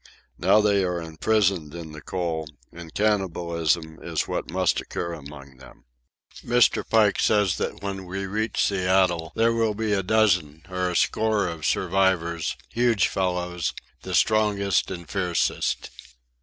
Now they are imprisoned in the coal, and cannibalism is what must occur among them. Mr. Pike says that when we reach Seattle there will be a dozen or a score of survivors, huge fellows, the strongest and fiercest.